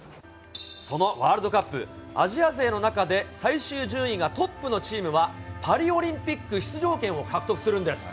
そのワールドカップ、アジア勢の中で最終順位がトップのチームは、パリオリンピック出場権を獲得するんです。